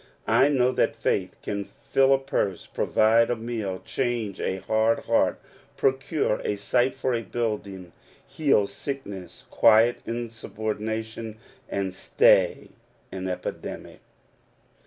I know that faith can fill a, purse, provide a meal, change a hard heart, procure a site for a building, heal sickness, quiet insubordination, and stay an epidemic.